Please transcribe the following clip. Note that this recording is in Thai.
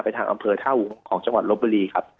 ทางอำเภอเท่าของจังหวัดลบบุรีครับ